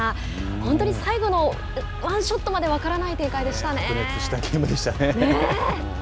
本当に最後のワンショットまで白熱したゲームでしたね。